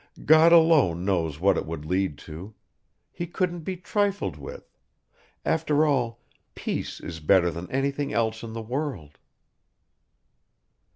"God alone knows what it would lead to; he couldn't be trifled with; after all, peace is better than anything else in the world."